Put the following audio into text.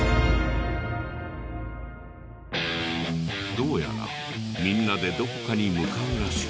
どうやらみんなでどこかに向かうらしく。